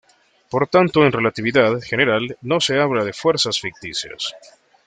Por tanto en relatividad general no se habla de fuerzas ficticias.